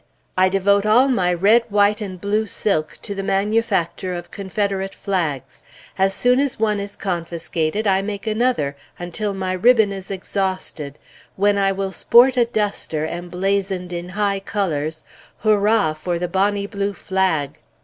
_ I devote all my red, white, and blue silk to the manufacture of Confederate flags. As soon as one is confiscated, I make another, until my ribbon is exhausted, when I will sport a duster emblazoned in high colors, "Hurra! for the Bonny blue flag!"